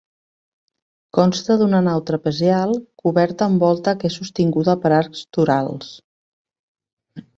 Consta d'una nau trapezial, coberta amb volta que és sostinguda per arcs torals.